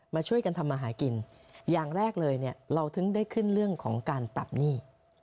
มาช่วยกันทำมาหากินอย่างแรกเลยเนี่ยเราถึงได้ขึ้นเรื่องของการปรับหนี้